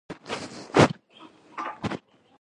ډېر زیات مریدان پیدا کړل.